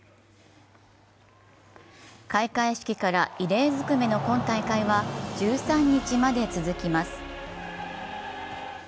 開会式から異例ずくめの今大会は１３日まで続きます。